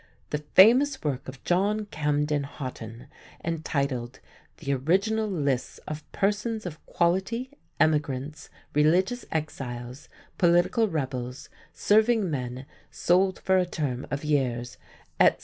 The famous work of John Camden Hotten, entitled "The Original Lists of Persons of Quality, Emigrants, Religious Exiles, Political Rebels, Serving Men sold for a term of years," etc.